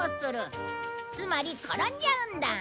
つまり転んじゃうんだ。